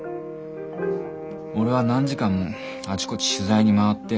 俺は何時間もあちこち取材に回って裏もとった。